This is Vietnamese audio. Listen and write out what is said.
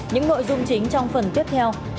những nội dung chính trong phần tiếp theo